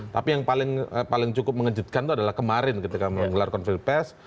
tapi yang paling cukup mengejutkan itu adalah kemarin ketika menggelar konferensi